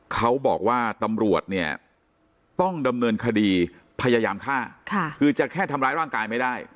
เขาบอกว่าตำรวจเนี่ยต้องดำเนินคดีพยายามฆ่าคือจะแค่ทำร้ายร่างกายไม่ได้